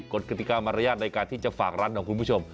กติกามารยาทในการที่จะฝากร้านของคุณผู้ชม